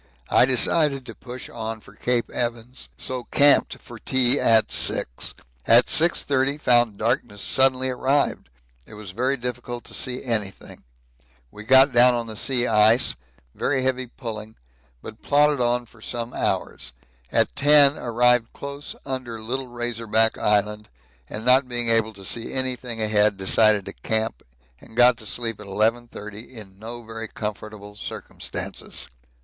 I decided to push on for Cape Evans, so camped for tea at 6. At 6.30 found darkness suddenly arrived; it was very difficult to see anything we got down on the sea ice, very heavy pulling, but plodded on for some hours; at 10 arrived close under little Razor Back Island, and not being able to see anything ahead, decided to camp and got to sleep at 11.30 in no very comfortable circumstances.